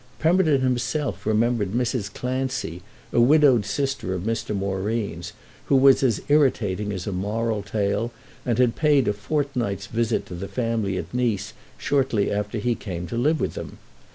Pemberton himself remembered Mrs. Clancy, a widowed sister of Mr. Moreen's, who was as irritating as a moral tale and had paid a fortnight's visit to the family at Nice shortly after he came to live with them.